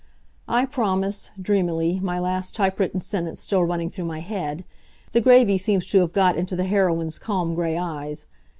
I promise, dreamily, my last typewritten sentence still running through my head. The gravy seems to have got into the heroine's calm gray eyes.